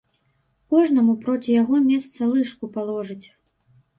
Кожнаму проці яго месца лыжку паложыць.